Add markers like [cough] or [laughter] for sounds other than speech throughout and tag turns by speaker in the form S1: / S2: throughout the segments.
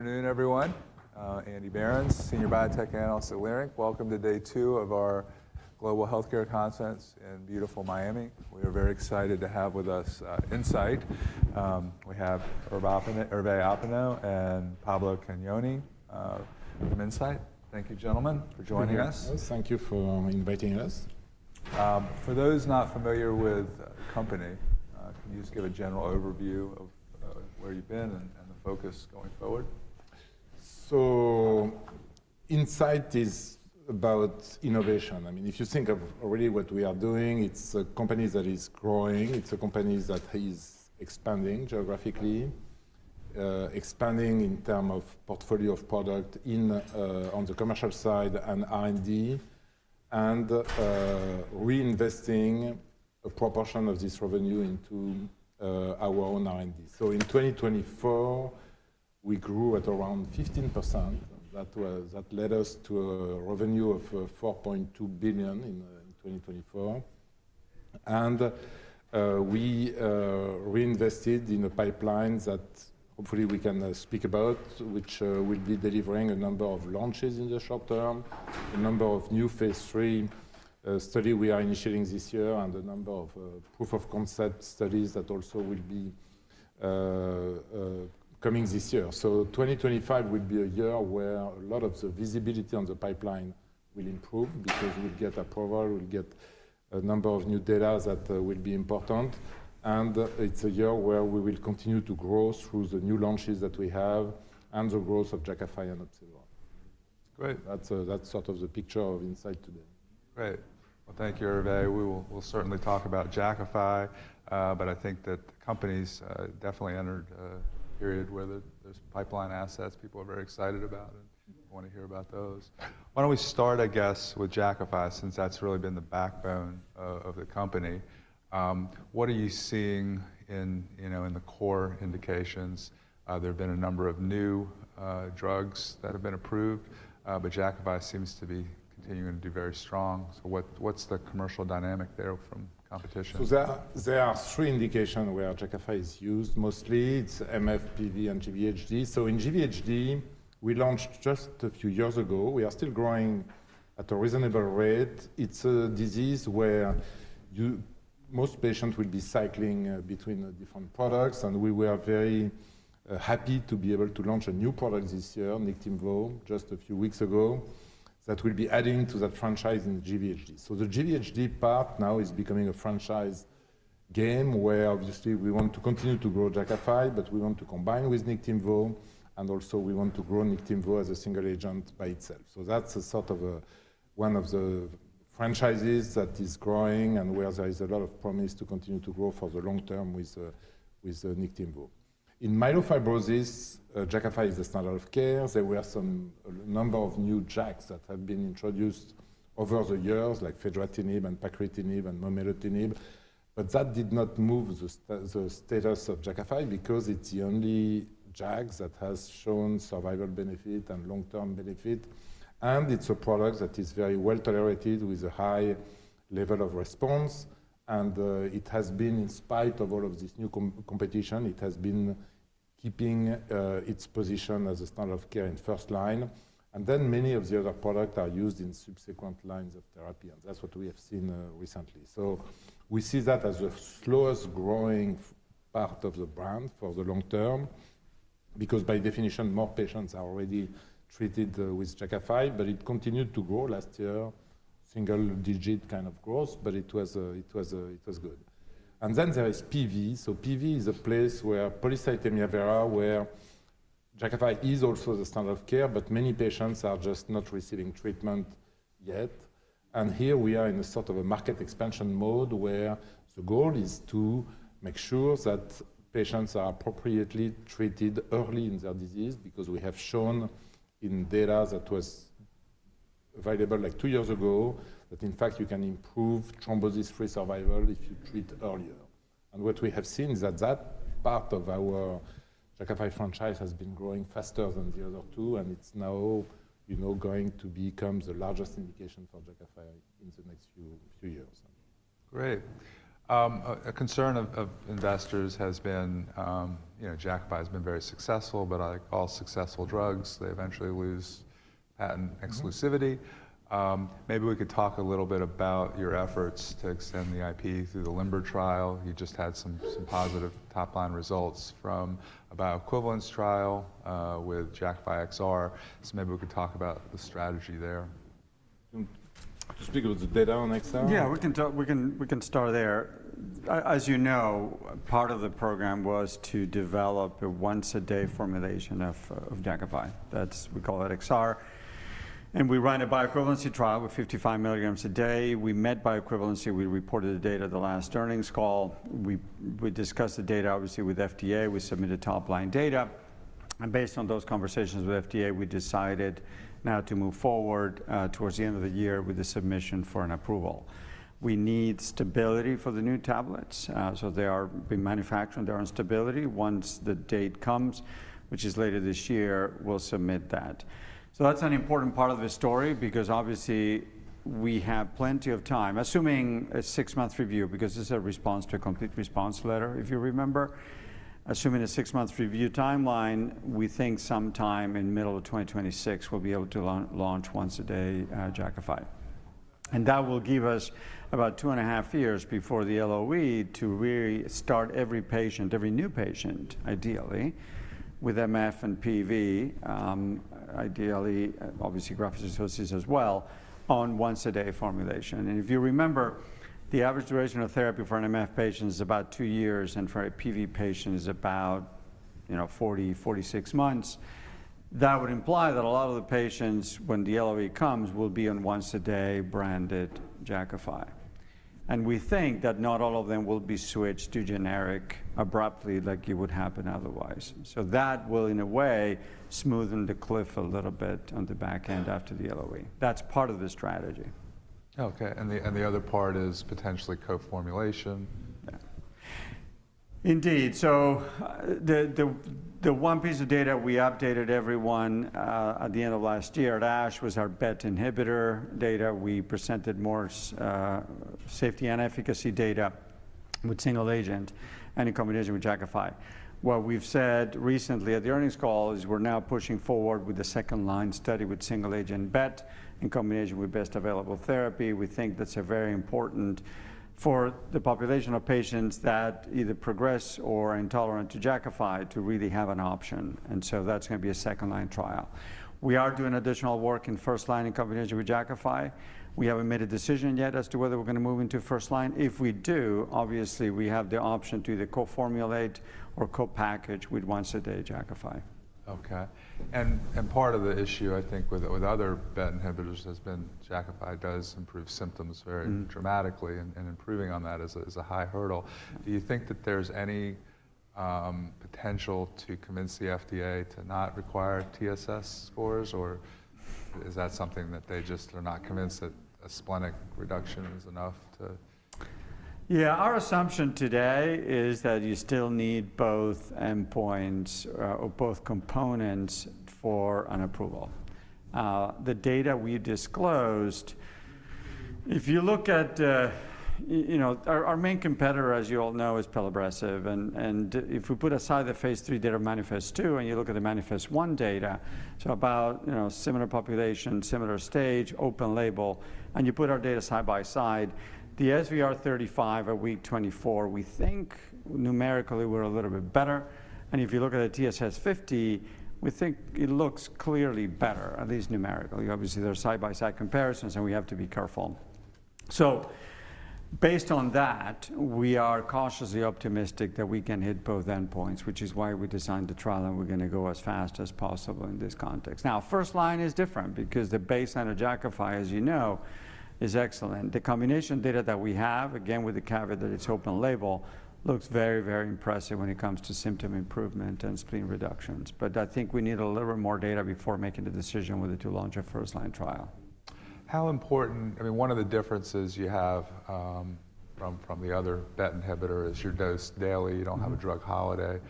S1: Good afternoon, everyone. Andy Berens, Senior Biotech Analyst at Leerink. Welcome to day two of our Global Healthcare Conference in beautiful Miami. We are very excited to have with us Incyte. We have Hervé Hoppenot and Pablo Cagnoni from Incyte. Thank you, gentlemen for joining us.
S2: Yeah. Thank you for inviting us.
S1: For those not familiar with the company, can you just give a general overview of where you've been and the focus going forward?
S2: Incyte is about innovation. If you think of already what we are doing, it's a company that is growing. It's a company that is expanding geographically, expanding in terms of portfolio of product on the commercial side and R&D, and reinvesting a proportion of this revenue into our own R&D. In 2024, we grew at around 15%. That led us to a revenue of $4.2 billion in 2024. We reinvested in a pipeline that hopefully we can speak about, which will be delivering a number of launches in the short term, a number of new phase III studies we are initiating this year, and a number of proof of concept studies that also will be coming this year. 2025 will be a year where a lot of the visibility on the pipeline will improve, because we'll get approval, we'll get a number of new data that will be important. It's a year where we will continue to grow through the new launches that we have, and the growth of Jakafi and Opzelura.
S1: Great.
S2: That's the picture of Incyte today.
S1: Great. Thank you, Hervé. We'll certainly talk about Jakafi, but I think that the company's definitely entered a period where there's pipeline assets people are very excited about and want to hear about those. Why don't we start with Jakafi, since that's really been the backbone of the company? What are you seeing in the core indications? There have been a number of new drugs that have been approved, but Jakafi seems to be continuing to be very strong. What is the commercial dynamic there from competition?
S2: There are three indications where Jakafi is used mostly. It's MF, PV, and GVHD. In GVHD, we launched just a few years ago. We are still growing at a reasonable rate. It's a disease where most patients will be cycling between different products. We were very happy to be able to launch a new product this year, Niktimvo, just a few weeks ago, that will be adding to that franchise in GVHD. The GVHD part now is becoming a franchise game, where obviously we want to continue to grow Jakafi, but we want to combine with Niktimvo. Also, we want to grow Niktimvo as a single agent by itself. That is one of the franchises that is growing, and where there is a lot of promise to continue to grow for the long term with Niktimvo. In myelofibrosis, Jakafi is the standard of care. There were a number of new JAKs that have been introduced over the years, like fedratinib and pacritinib and momelotinib. That did not move the status of Jakafi, because it's the only JAK that has shown survival benefit and long-term benefit. It's a product that is very well tolerated, with a high level of response. It has been, in spite of all of this new competition, keeping its position as a standard of care in first line. Many of the other products are used in subsequent lines of therapy. That's what we have seen recently. We see that as the slowest growing part of the brand for the long term because by definition, more patients are already treated with Jakafi. It continued to grow last year, single-digit kind of growth, but it was good. There is PV. PV is a place where polycythemia vera, where Jakafi is also the standard of care, but many patients are just not receiving treatment yet. Here we are in a sort of a market expansion mode, where the goal is to make sure that patients are appropriately treated early in their disease because we have shown in data that was available like two years ago, that in fact you can improve thrombosis-free survival if you treat earlier. What we have seen is that part of our Jakafi franchise has been growing faster than the other two. It is now going to become the largest indication for Jakafi in the next few years.
S1: Great. A concern of investors has been, Jakafi has been very successful, but like all successful drugs, they eventually lose an exclusivity. Maybe we could talk a little bit about your efforts to extend the IP through the LIMBER trial. You just had some positive top-line results from a bioequivalence trial with Jakafi XR. Maybe we could talk about the strategy there.
S2: Speak about the data on XR.
S3: Yeah, we can start there. As you know, part of the program was to develop a once-a-day formulation of Jakafi. We call that XR. We ran a bioequivalency trial with 55 mg a day. We met bioequivalency. We reported the data at the last earnings call. We discussed the data obviously with FDA. We submitted top-line data. Based on those conversations with FDA, we decided now to move forward towards the end of the year with the submission for an approval. We need stability for the new tablets. They are being manufactured. They are on stability. Once the date comes, which is later this year, we will submit that. That is an important part of the story, because obviously we have plenty of time, assuming a six-month review because this is a response to a complete response letter, if you remember. Assuming a six-month review timeline, we think sometime in the middle of 2026, we'll be able to launch once-a-day Jakafi. That will give us about two and a half years before the LOE, to really start every patient, every new patient ideally with MF and PV, ideally obviously graft-versus-host disease as well, on once-a-day formulation. If you remember, the average duration of therapy for an MF patient is about two years, and for a PV patient is about 40-46 months. That would imply that a lot of the patients, when the LOE comes, will be on once-a-day branded Jakafi. We think that not all of them will be switched to generic abruptly like it would happen otherwise. That will in a way smoothen the cliff a little bit on the back end after the LOE. That's part of the strategy.
S1: Okay, and the other part is potentially co-formulation?
S3: Indeed. The one piece of data we updated everyone at the end of last year at ASH was our BET inhibitor data. We presented more safety and efficacy data with single agent and in combination with Jakafi. What we've said recently at the earnings call is we're now pushing forward with a second-line study with single agent BET, in combination with best available therapy. We think that's very important for the population of patients that either progress or are intolerant to Jakafi, to really have an option. That is going to be a second-line trial. We are doing additional work in first line in combination with Jakafi. We haven't made a decision yet as to whether we're going to move into first line. If we do, obviously we have the option to either co-formulate or co-package with once-a-day Jakafi.
S1: Okay. Part of the issue, I think with other BET inhibitors has been, Jakafi does improve symptoms very dramatically and improving on that is a high hurdle. Do you think that there's any potential to convince the FDA to not require TSS scores, or is that something that they just are not convinced that a splenic reduction is enough to?
S3: Yeah, our assumption today is that you still need both endpoints or both components for an approval. Our main competitor, as you all know, is pelabresib. If we put aside the phase III data of MANIFEST-2 and you look at the MANIFEST-1 data, so about similar population, similar stage, open label, and you put our data side by side, the SVR35 at week 24, we think numerically we're a little bit better. If you look at the TSS50, we think it looks clearly better, at least numerically. Obviously, there are side-by-side comparisons, and we have to be careful. Based on that, we are cautiously optimistic that we can hit both endpoints, which is why we designed the trial and we're going to go as fast as possible in this context. Now, first line is different because the baseline of Jakafi, as you know, is excellent. The combination data that we have, again with the caveat that it's open label, looks very, very impressive when it comes to symptom improvement and spleen reductions. I think we need a little bit more data before making the decision whether to launch a first-line trial.
S1: One of the differences you have from the other BET inhibitor is your dose is daily. You do not have a drug holiday.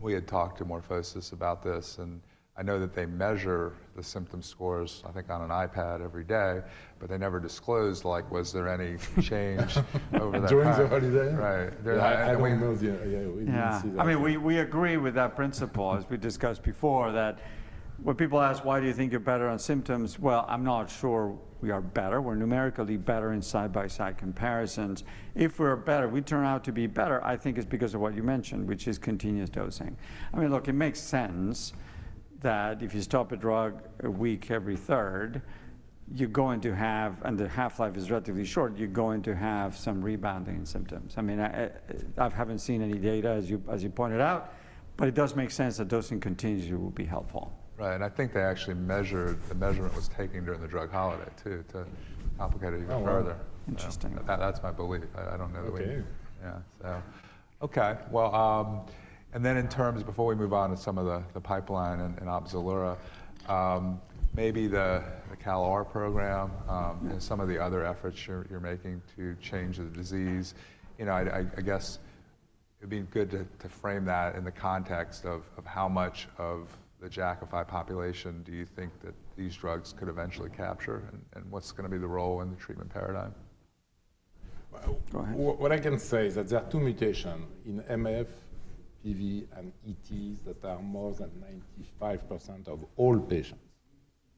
S1: We had talked to MorphoSys about this, and I know that they measure the symptom scores, I think on an iPad every day, but they never disclosed like, was there any change over that time?
S2: During the holiday? [audio distortion]
S1: Right.
S3: We agree with that principle, as we discussed before, that when people ask, why do you think you're better on symptoms? I'm not sure we are better. We're numerically better in side-by-side comparisons. If we're better, we turn out to be better, I think it's because of what you mentioned, which is continuous dosing. Look, it makes sense that if you stop a drug a week every third, and the half-life is relatively short, you're going to have some rebounding in symptoms. I haven't seen any data, as you pointed out, but it does make sense that dosing continuously will be helpful.
S1: Right. I think they actually measured, the measurement was taken during the drug holiday too, to complicate it even further.
S3: Oh, interesting.
S1: That's my belief. I don't know.
S3: Okay.
S1: Yeah, okay. Before we move on to some of the pipeline and Opzelura, maybe the CalR program and some of the other efforts you're making to change the disease, it'd be good to frame that in the context of how much of the Jakafi population do you think that these drugs could eventually capture, and what's going to be the role in the treatment paradigm? Go ahead.
S2: What I can say is that there are two mutations in MF, PV, and ETs that are more than 95% of all patients,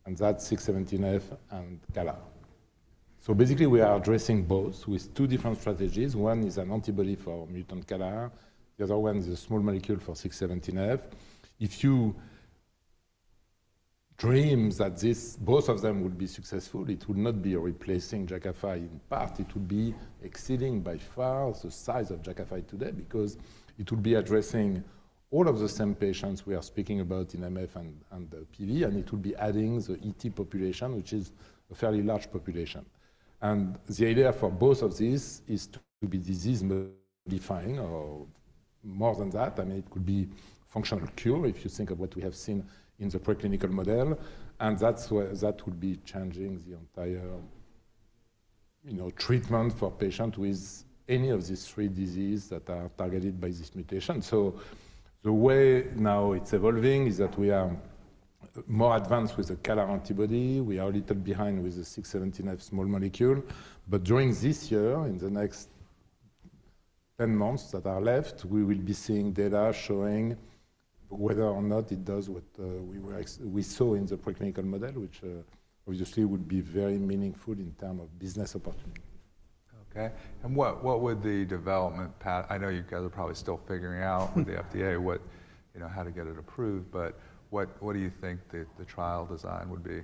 S2: and that's 617F and CalR. Basically, we are addressing both with two different strategies. One is an antibody for mutant CalR. The other one is a small molecule for 617F. If you dream that both of them will be successful, it will not be replacing Jakafi in part. It will be exceeding by far the size of Jakafi today, because it will be addressing all of the same patients we are speaking about in MF and PV, and it will be adding the ET population, which is a fairly large population. The idea for both of these is to be disease-modifying or more than that. It could be functional cure, if you think of what we have seen in the preclinical model. That will be changing the entire treatment for patients with any of these three diseases that are targeted by this mutation. The way now it's evolving, is that we are more advanced with the CalR antibody. We are a little behind with the 617F small molecule. During this year, in the next 10 months that are left, we will be seeing data showing whether or not it does what we saw in the preclinical model, which obviously would be very meaningful in terms of business opportunity.
S1: Okay. I know you guys are probably still figuring out with the FDA how to get it approved, but what do you think the trial design would be?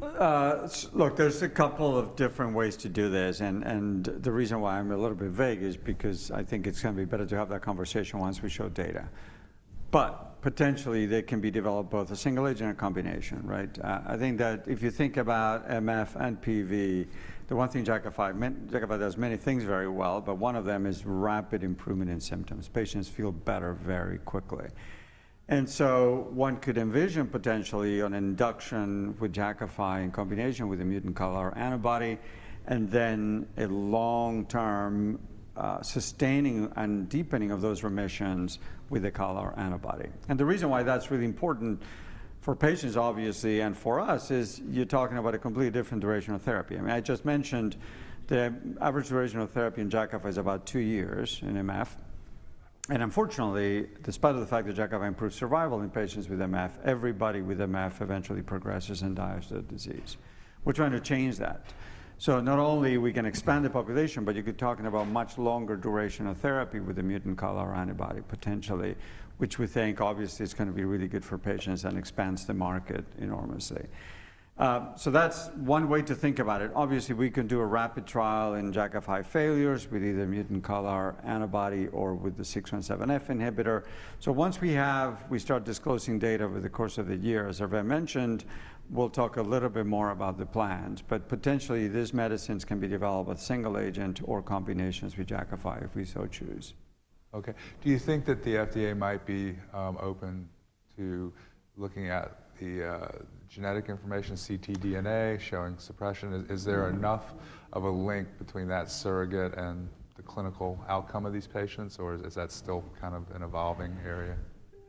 S3: Look, there's a couple of different ways to do this. The reason why I'm a little bit vague, is because I think it's going to be better to have that conversation once we show data. Potentially, they can be developed both as a single agent and a combination, right? I think that if you think about MF and PV,Jakafi does many things very well, but one of them is rapid improvement in symptoms. Patients feel better very quickly. One could envision potentially an induction with Jakafi, in combination with a mutant CalR antibody, and then a long-term sustaining and deepening of those remissions with a CalR antibody. The reason why that's really important for patients obviously and for us, is you're talking about a completely different duration of therapy. I just mentioned, the average duration of therapy in Jakafi is about two years in MF. Unfortunately, despite the fact that Jakafi improves survival in patients with MF, everybody with MF eventually progresses and dies of the disease. We're trying to change that. Not only can we expand the population, but you could be talking about a much longer duration of therapy with a mutant CalR antibody potentially, which we think obviously is going to be really good for patients and expands the market enormously. That's one way to think about it. Obviously, we can do a rapid trial in Jakafi failures with either mutant CalR antibody or with the 617F inhibitor. Once we start disclosing data over the course of the year, as I've mentioned, we'll talk a little bit more about the plans. Potentially, these medicines can be developed with single agent or combinations with Jakafi if we so choose.
S1: Okay. Do you think that the FDA might be open to looking at the genetic information, ctDNA, showing suppression? Is there enough of a link between that surrogate and the clinical outcome of these patients, or is that still an evolving area?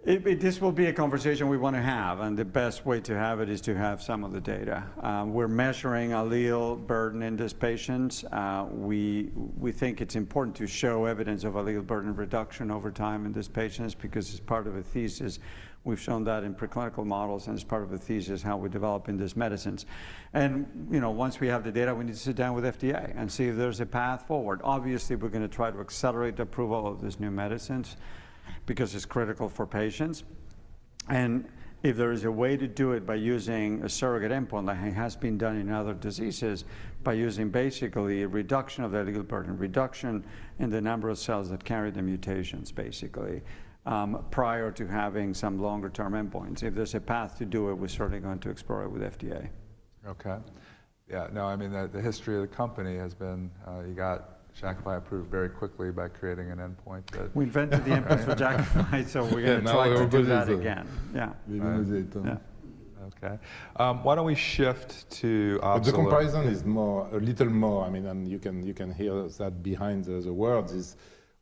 S3: This will be a conversation we want to have, and the best way to have it is to have some of the data. We're measuring allele burden in these patients. We think it's important to show evidence of allele burden reduction over time in these patients, because it's part of a thesis. We've shown that in preclinical models, and it's part of a thesis, how we develop these medicines. Once we have the data, we need to sit down with FDA and see if there's a path forward. Obviously, we're going to try to accelerate the approval of these new medicines because it's critical for patients. If there is a way to do it by using a surrogate endpoint, like it has been done in other diseases, by using basically a reduction of the allele burden, reduction in the number of cells that carry the mutations basically, prior to having some longer-term endpoints, if there's a path to do it, we're certainly going to explore it with FDA.
S1: Okay, yeah. No, the history of the company has been, you got Jakafi approved very quickly by creating an endpoint.
S3: We invented the endpoint for Jakafi, so we're going to try to do that again, yeah.
S2: We will do it.
S1: Okay. Why don't we shift to Opzelura?
S2: The comparison is a little more, and you can hear that behind the words is,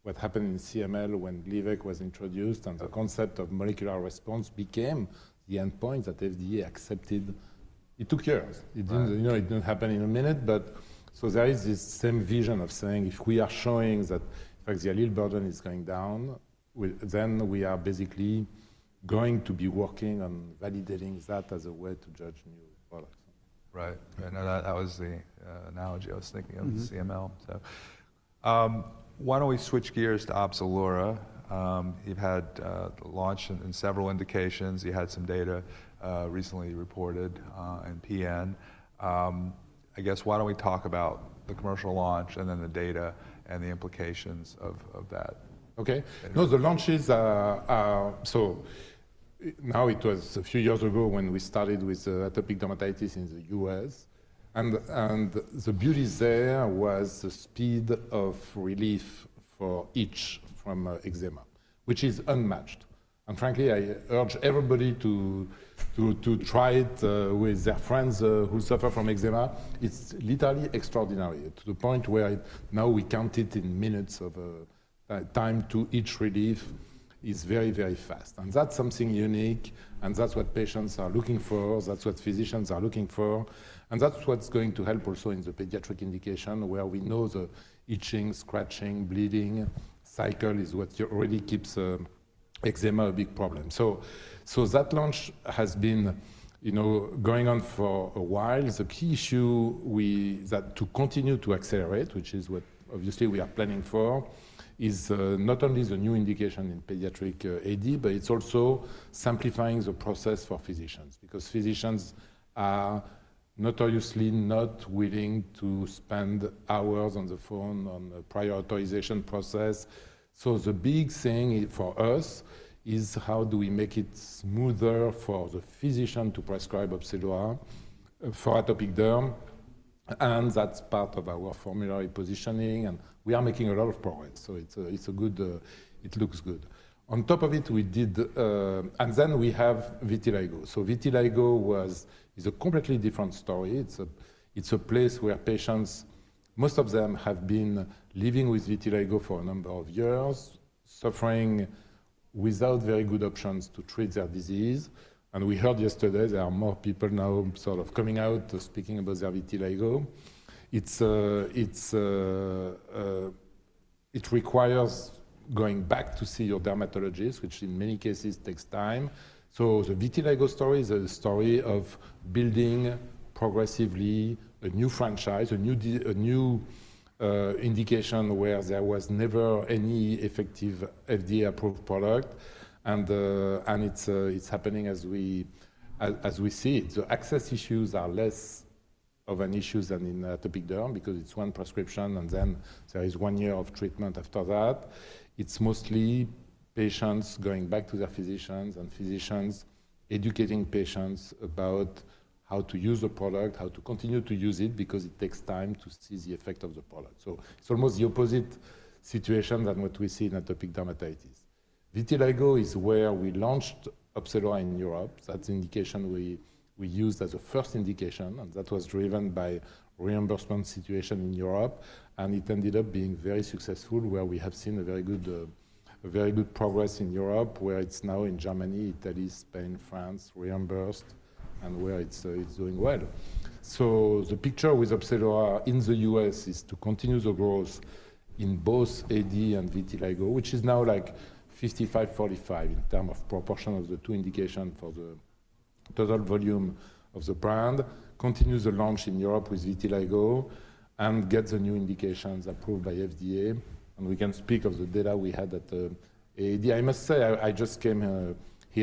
S2: what happened in CML when Gleevec was introduced and the concept of molecular response became the endpoint that FDA accepted. It took years. It did not happen in a minute, but there is this same vision of saying, if we are showing that the allele burden is going down, then we are basically going to be working on validating that as a way to judge new products.
S1: Right. I know that was the analogy I was thinking of in CML. Why don't we switch gears to Opzelura? You've had launch in several indications. You had some data recently reported in PN. Why don't we talk about the commercial launch, and then the data and the implications of that?
S2: Okay. No, the launch is, so now it was a few years ago when we started with atopic dermatitis in the U.S. The beauty there was the speed of relief for itch from eczema, which is unmatched. Frankly, I urge everybody to try it with their friends who suffer from eczema. It's literally extraordinary, to the point where now we count it in minutes of time to itch relief. It is very, very fast. That is something unique, and that is what patients are looking for. That is what physicians are looking for. That is what is going to help also in the pediatric indication, where we know the itching, scratching, bleeding cycle is what really keeps eczema a big problem. That launch has been going on for a while. The key issue to continue to accelerate, which is what obviously we are planning for, is not only the new indication in pediatric AD, but it's also simplifying the process for physicians, because physicians are notoriously not willing to spend hours on the phone, on the prioritization process. The big thing for us is, how do we make it smoother for the physician to prescribe Opzelura for atopic derm? That's part of our formulary positioning, and we are making a lot of progress. It looks good. On top of it, then we have vitiligo. Vitiligo is a completely different story. It's a place where patients, most of them, have been living with vitiligo for a number of years, suffering without very good options to treat their disease. We heard yesterday there are more people now coming out speaking about their vitiligo. It requires going back to see your dermatologist, which in many cases takes time. The vitiligo story is a story of building progressively a new franchise, a new indication where there was never any effective FDA-approved product and it's happening as we see it. The access issues are less of an issue than in atopic derm, because it's one prescription and then there is one year of treatment after that. It's mostly patients going back to their physicians, and physicians educating patients about how to use the product, how to continue to use it because it takes time to see the effect of the product. It's almost the opposite situation than what we see in atopic dermatitis. Vitiligo is where we launched Opzelura in Europe. That's the indication we used as a first indication, and that was driven by reimbursement situation in Europe. It ended up being very successful, where we have seen a very good progress in Europe, where it's now in Germany, Italy, Spain, France, reimbursed, and where it's doing well. The picture with Opzelura in the U.S. is to continue the growth in both AD and vitiligo, which is now like 55-45 in terms of proportion of the two indications for the total volume of the brand, continue the launch in Europe with vitiligo and get the new indications approved by FDA. We can speak of the data we had at AD. I must say, I just came here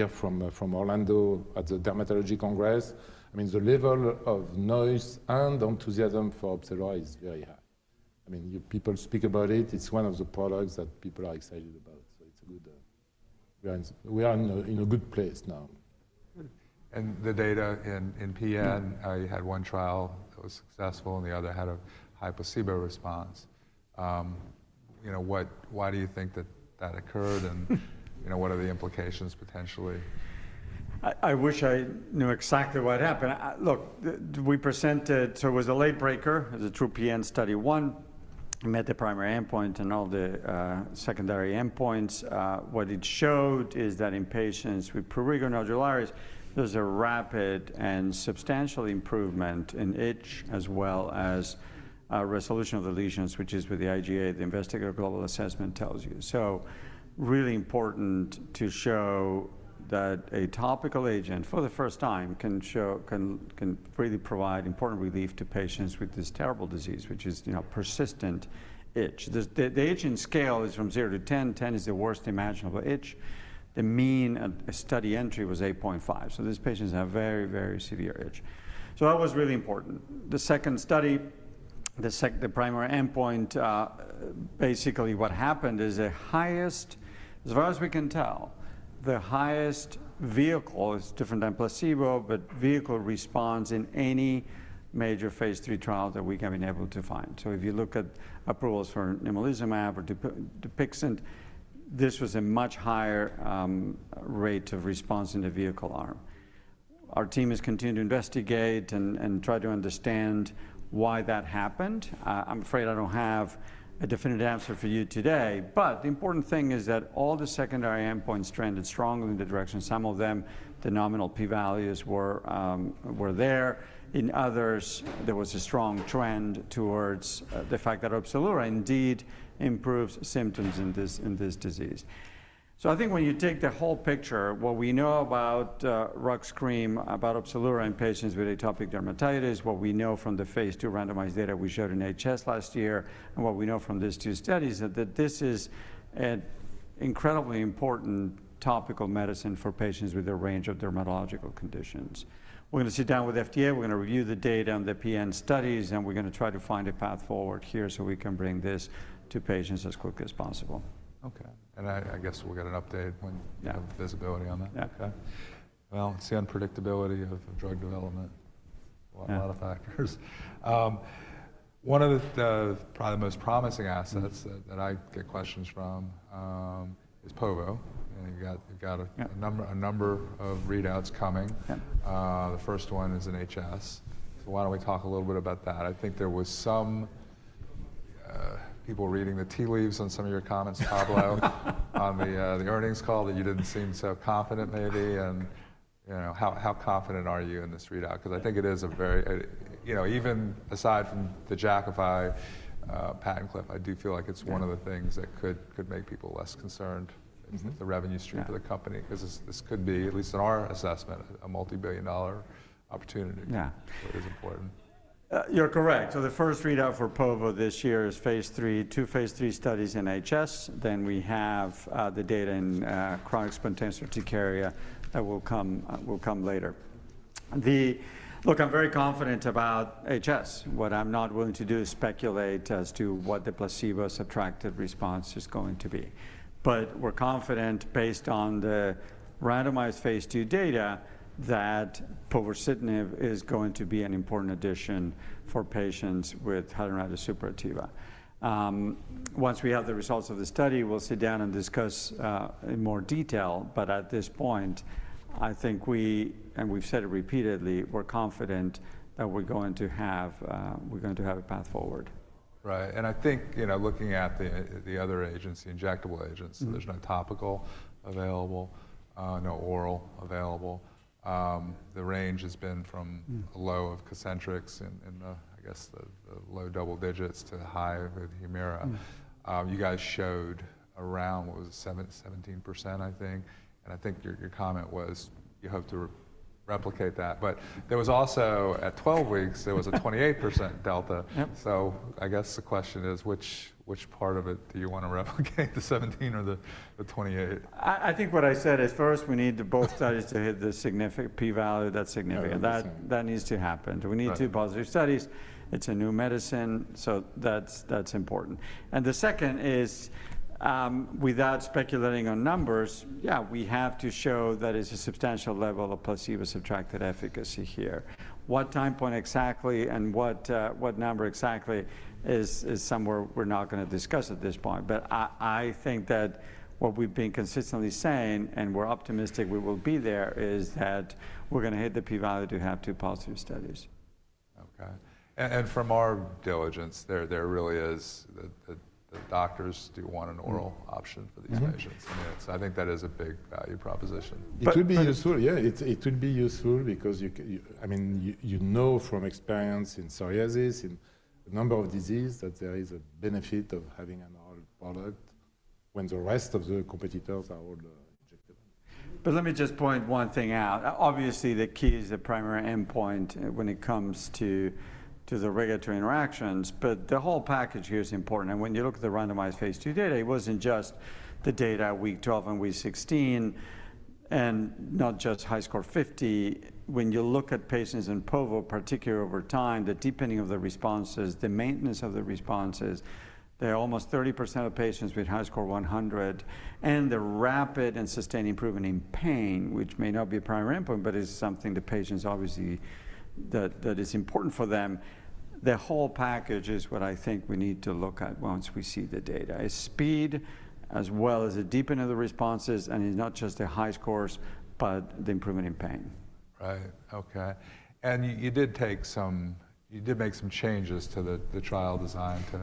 S2: from Orlando at the Dermatology Congress. The level of noise and enthusiasm for Opzelura is very high. People speak about it. It's one of the products that people are excited about, so it's a good, we are in a good place now.
S1: The data in PN, you had one trial that was successful, and the other had a high placebo response. Why do you think that that occurred, and what are the implications potentially?
S3: I wish I knew exactly what happened. Look, so it was a late breaker as a true PN study. One met the primary endpoint and all the secondary endpoints. What it showed, is that in patients with prurigo nodularis, there is a rapid and substantial improvement in itch as well as resolution of the lesions, which is what the IGA, the Investigator's Global Assessment, tells you. Really important to show that a topical agent for the first time can really provide important relief to patients with this terrible disease, which is persistent itch. The itching scale is from 0-10. 10 is the worst imaginable itch. The mean study entry was 8.5. These patients have very, very severe itch. That was really important. The second study, the primary endpoint, basically what happened is as far as we can tell, the highest vehicle is different than placebo, but vehicle response in any major phase III trial that we have been able to find. If you look at approvals for nemolizumab or Dupixent, this was a much higher rate of response in the vehicle arm. Our team has continued to investigate, and try to understand why that happened. I'm afraid I don't have a definitive answer for you today, but the important thing is that all the secondary endpoints trended strongly in the direction. Some of them, the nominal p-values were there. In others, there was a strong trend towards the fact that Opzelura indeed improves symptoms in this disease. I think when you take the whole picture, what we know about Rux cream, about Opzelura in patients with atopic dermatitis, what we know from the phase II randomized data we showed in HS last year and what we know from these two studies, is that this is an incredibly important topical medicine for patients with a range of dermatological conditions. We're going to sit down with FDA. We're going to review the data and the PN studies, and we're going to try to find a path forward here, so we can bring this to patients as quickly as possible.
S1: Okay. I guess we'll get an update when you have visibility on that.
S3: Yeah.
S1: Okay. It is the unpredictability of drug development, a lot of factors. One of the probably the most promising assets that I get questions from is Povo. You've got a number of readouts coming. The first one is in HS. Why do not we talk a little bit about that? I think there are some people reading the tea leaves in some on your comments Pablo, at the earnings call, that you didn't seem confident maybe. How confident are you on this readout? Even aside from the Jakafi pack cliff, I do feel like it's one of the things that could make people less concerned, the revenue stream of the company. This could be, at least in our own assessment, a multi-billion opportunity. It is important.
S3: Yeah, you're correct. The first readout for Povo this year is two phase III studies in HS, then we have the data in chronic spontaneous urticaria that will come later. Look, I'm very confident about HS. What I'm not willing to do is speculate as to what the placebo-subtracted response is going to be. We're confident, based on the randomized phase II data that povorcitinib is going to be an important addition for patients with hidradenitis suppurativa. Once we have the results of the study, we'll sit down and discuss in more detail, but at this point I think we, and we've said it repeatedly, we're confident that we're going to have a path forward.
S1: Right. I think looking at the other agents, the injectable agents, there's no topical available, no oral available. The range has been from low of Cosentyx in the low double digits to high with Humira. You guys showed around, what was it? 17% I think, and I think your comment was, you hope to replicate that. There was also, at 12 weeks, there was a 28% delta. I guess the question is, which part of it do you want to replicate, the 17% or the 28%?
S3: I think what I said is, first we need both studies to hit the significant p-value, that's significant. That needs to happen. We need two positive studies. It's a new medicine, so that's important. The second is, without speculating on numbers, we have to show that it's a substantial level of placebo-subtracted efficacy here. What time point exactly and what number exactly is somewhere we're not going to discuss at this point, but I think that what we've been consistently saying and we're optimistic we will be there, is that we're going to hit the p-value to have two positive studies.
S1: Okay. From our diligence, there really is, the doctors do want an oral option for these patients. I think that is a big value proposition.
S2: It would be useful. Yeah, it would be useful because you know from experience in psoriasis, in a number of diseases, that there is a benefit of having an oral product when the rest of the competitors are all injectable. Let me just point one thing out. Obviously, the key is the primary endpoint when it comes to the regulatory interactions, but the whole package here is important. When you look at the randomized phase II data, it was not just the data at week 12 and week 16, and not just HiSCR50, When you look at patients in Povo, particularly over time, the deepening of the responses, the maintenance of the responses, there are almost 30% of patients with HiSCR100 and the rapid and sustained improvement in pain, which may not be a primary endpoint, but is something the patients obviously, that is important for them. The whole package is what I think we need to look at once we see the data. It is speed as well as a deepening of the responses, and it is not just the high scores, but the improvement in pain.
S1: Right, okay. You did make some changes to the trial design, to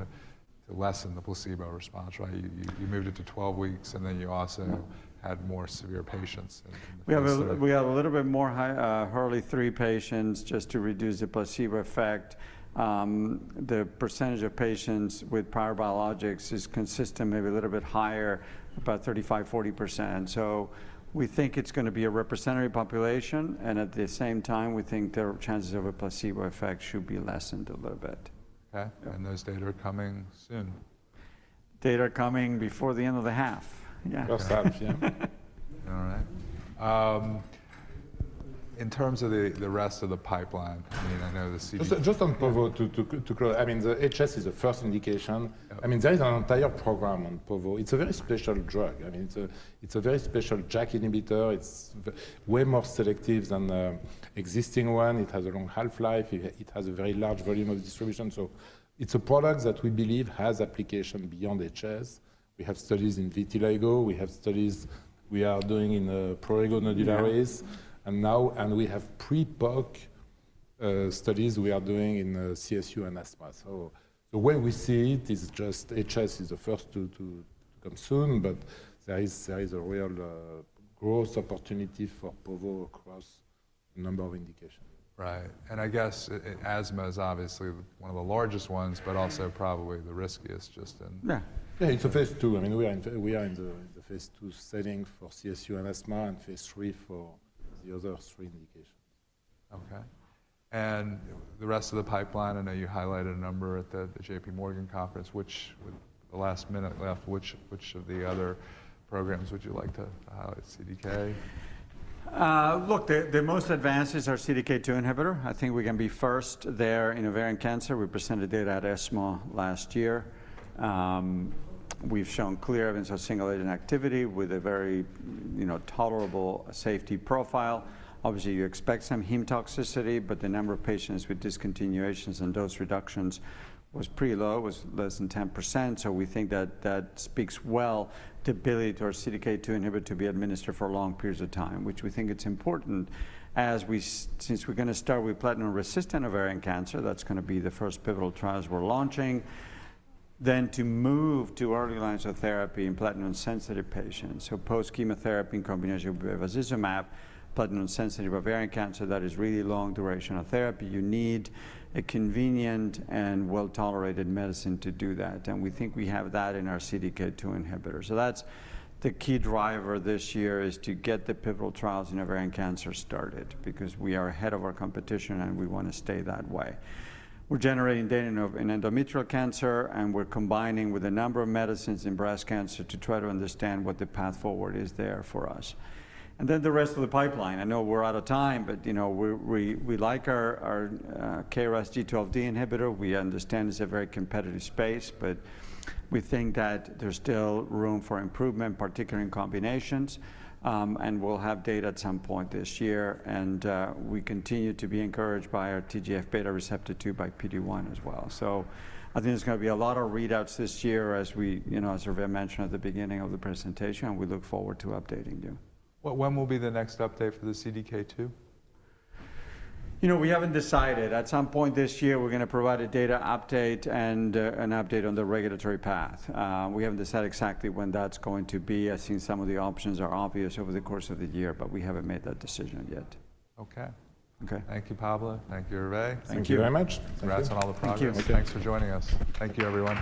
S1: lessen the placebo response, right? You moved it to 12 weeks, and then you also had more severe patients.
S3: We have a little bit more Hurley 3 patients, just to reduce the placebo effect. The percentage of patients with prior biologics is consistent, maybe a little bit higher, about 35%-40%. We think it's going to be a representative population, and at the same time, we think the chances of a placebo effect should be lessened a little bit.
S1: Okay, and there's data are coming soon.
S3: Data are coming before the end of the half, yeah.
S1: [Assumption]. All right.
S3: In terms of the rest of the pipeline, I know the. [audio distortion]
S2: Just on Povo, to clarify, the HS is a first indication. There is an entire program on Povo. It's a very special drug. It's a very special JAK inhibitor. It's way more selective than the existing one. It has a long half-life. It has a very large volume of distribution. It's a product that we believe has application beyond HS. We have studies in vitiligo. We have studies we are doing in prurigo nodularis. We have pre-PoC studies we are doing in CSU and asthma. The way we see it is just, HS is the first to come soon, but there is a real growth opportunity for Povo across a number of indications.
S3: Right. Asthma is obviously one of the largest ones, but also probably the riskiest just in. Yeah, it's a phase II. We are in the phase II setting for CSU and asthma, and phase III for the other three indications.
S1: Okay. The rest of the pipeline, I know you highlighted a number at the JPMorgan Conference, with the last minute left, which of the other programs would you like to highlight, CDK?
S3: Look, the most advanced is our CDK2 inhibitor. I think we're going to be first there in ovarian cancer. We presented data at ESMO last year. We've shown clear evidence of single agent activity with a very tolerable safety profile. Obviously, you expect some heme toxicity, but the number of patients with discontinuations and dose reductions was pretty low, was less than 10%. We think that that speaks well to ability to our CDK2 inhibitor to be administered for long periods of time, which we think it's important. Since we're going to start with platinum-resistant ovarian cancer, that's going to be the first pivotal trials we're launching, then to move to early lines of therapy in platinum-sensitive patients. Post-chemotherapy in combination with bevacizumab, platinum-sensitive ovarian cancer, that is really long duration of therapy. You need a convenient and well-tolerated medicine to do that. We think we have that in our CDK2 inhibitor. The key driver this year is to get the pivotal trials in ovarian cancer started, because we are ahead of our competition and we want to stay that way. We're generating data in endometrial cancer, and we're combining with a number of medicines in breast cancer to try to understand what the path forward is there for us. The rest of the pipeline, I know we're out of time, but we like our KRAS G12D inhibitor. We understand it's a very competitive space, but we think that there's still room for improvement, particularly in combinations. We'll have data at some point this year. We continue to be encouraged by our TGF-β receptor 2 by PD-1 as well. I think there's going to be a lot of readouts this year, as Hervé mentioned at the beginning of the presentation and we look forward to updating you.
S1: When will be the next update for the CDK2?
S3: You know, we haven't decided. At some point this year, we're going to provide a data update and an update on the regulatory path. We haven't decided exactly when that's going to be. I think some of the options are obvious over the course of the year, but we haven't made that decision yet.
S1: Okay.
S3: Okay.
S1: Thank you, Pablo. Thank you, Hervé.
S2: Thank you.
S1: Thank you very much. Congrats on all the progress.
S3: Thank you.
S1: Thanks for joining us. Thank you, everyone.